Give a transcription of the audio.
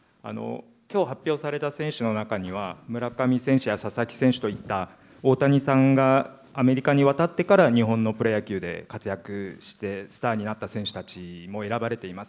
きょう発表された選手の中には、村上選手や佐々木選手といった、大谷さんがアメリカに渡ってから日本のプロ野球で活躍して、スターになった選手たちも選ばれています。